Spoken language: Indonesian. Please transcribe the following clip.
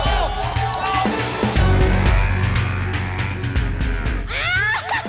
loh dari tadi disini aja don